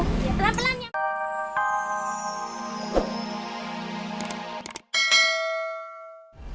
ya pelan pelan ya